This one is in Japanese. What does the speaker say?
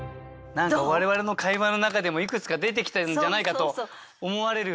何か我々の会話の中でもいくつか出てきてるんじゃないかと思われる。